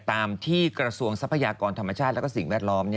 ตามที่กระทรวงทรัพยากรธรรมชาติและสิ่งแวดล้อม